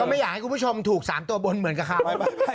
มายักให้คุณผู้ชมถูกสารบนเหมือนกับข้าว